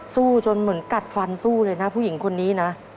สู้จนเหมือนกัดฟันสู้เลยนะผู้หญิงคนนี้นะ